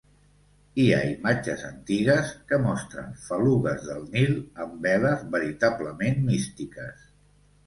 Hi ha imatges antigues que mostren falugues del Nil amb veles veritablement místiques.